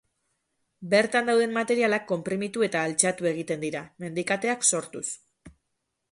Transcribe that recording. Bertan dauden materialak konprimitu eta altxatu egiten dira, mendikateak sortuz.